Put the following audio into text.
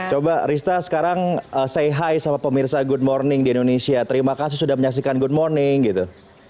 coba rista sekarang say high sama pemirsa good morning di indonesia terima kasih sudah menyaksikan good morning gitu